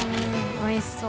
おいしそう。